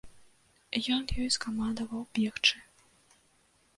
Ён ёй скамандаваў бегчы.